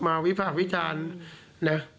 มาวิภาควิจารณ์